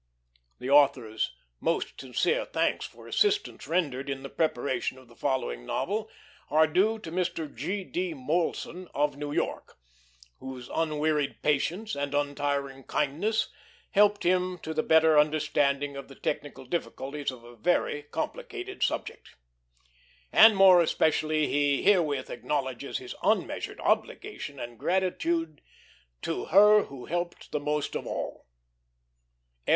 The author's most sincere thanks for assistance rendered in the preparation of the following novel are due to Mr. G. D. Moulson of New York, whose unwearied patience and untiring kindness helped him to the better understanding of the technical difficulties of a Very complicated subject. And more especially he herewith acknowledges his unmeasured obligation and gratitude to Her Who Helped the Most of All.